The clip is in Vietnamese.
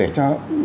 để cho người